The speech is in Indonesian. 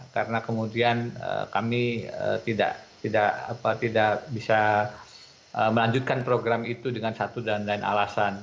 karena kemudian kami tidak bisa melanjutkan program itu dengan satu dan lain alasan